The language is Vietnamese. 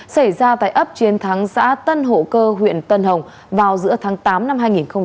xảy ra tại ấp chiến thắng xã tân hộ cơ huyện tân hồng vào giữa tháng tám năm hai nghìn hai mươi ba